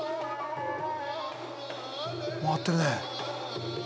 回ってるね。